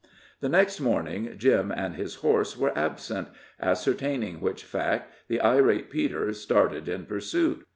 The next morning Jim and his horse were absent, ascertaining which fact, the irate Peter started in pursuit.